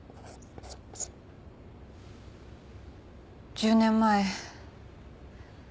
１０年前。